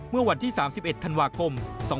เมื่อวันที่๓๑ธันวาคม๒๕๖๒